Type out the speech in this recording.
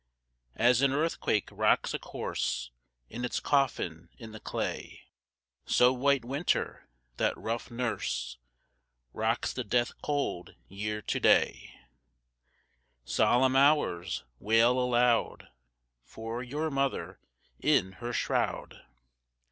2. As an earthquake rocks a corse In its coffin in the clay, So White Winter, that rough nurse, Rocks the death cold Year to day; _10 Solemn Hours! wail aloud For your mother in her shroud.